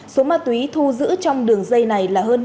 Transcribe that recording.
số ma túy thu giữ trong đường dây này là hơn năm mươi kg